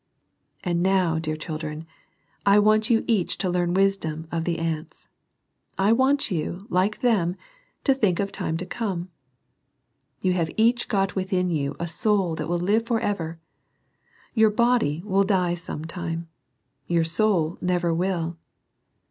And now, dear children, I want you each to learn wisdom of the ants. I want you, like them, to think of time to come. You have each got within you a soul that will live for ever. Your body will die some time. Your soul never will.